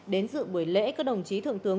đến dự buổi lễ các đồng chí thượng tướng